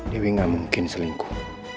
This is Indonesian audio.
dewi gak mungkin selingkuh